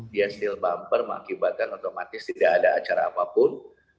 dia still bumper mengakibatkan otomatis tidak ada acara apapun